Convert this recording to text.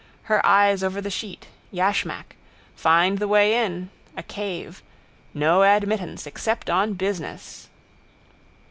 Her eyes over the sheet. Yashmak. Find the way in. A cave. No admittance except on business.